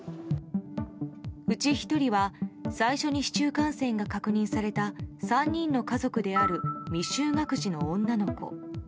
うち１人は最初に市中感染が確認された３人の家族である未就学児の女の子。